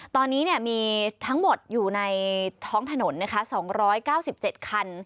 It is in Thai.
ตอนนี้มีทั้งหมดอยู่ในท้องถนน๒๙๗คัน